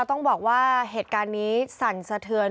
ต้องบอกว่าเหตุการณ์นี้สั่นสะเทือน